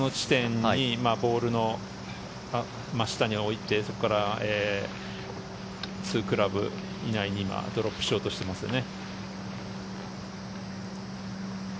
ボールの真下に置いてそこから２クラブ以内にドロップしようとしてますね。